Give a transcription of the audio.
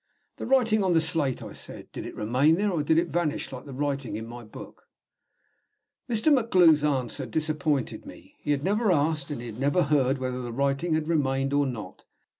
"The writing on the slate," I said. "Did it remain there, or did it vanish like the writing in my book?" Mr. MacGlue's answer disappointed me. He had never asked, and had never heard, whether the writing had remained or not.